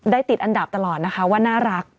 ติดอันดับตลอดนะคะว่าน่ารัก